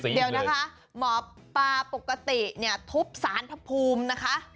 เดี๋ยวนะคะหมอปลาปกติเนี่ยทุบสารพระภูมินะคะ